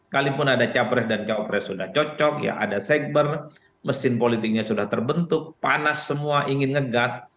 kalaupun ada capres dan cawapres sudah cocok ya ada segber mesin politiknya sudah terbentuk panas semua ingin ngegas